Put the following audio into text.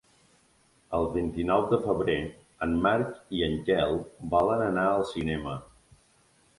El vint-i-nou de febrer en Marc i en Quel volen anar al cinema.